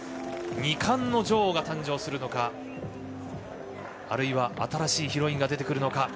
２冠の女王が誕生するのかあるいは、新しいヒロインが出てくるのか。